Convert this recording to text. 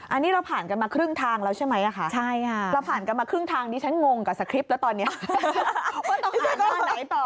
อันนี้เราผ่านกันมาครึ่งทางแล้วใช่มั้ยกันมาครึ่งทางดิฉันงงกับสตริปแล้วตอนนี้